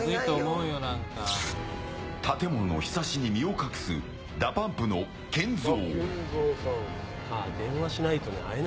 建物のひさしに身を隠すＤＡＰＵＭＰのＫＥＮＺＯ。